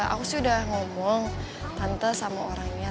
aku sih udah ngomong tante sama orangnya